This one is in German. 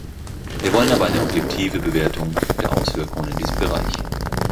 Wir wollen aber eine objektive Bewertung der Auswirkungen in diesem Bereich.